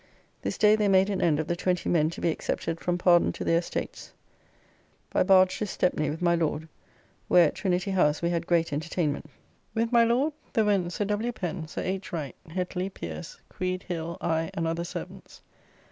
This day they made an end of the twenty men to be excepted from pardon to their estates. By barge to Stepny with my Lord, where at Trinity House we had great entertainment. With, my Lord there went Sir W. Pen, Sir H. Wright, Hetly, Pierce; Creed, Hill, I and other servants.